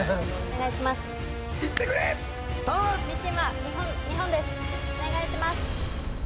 お願いします」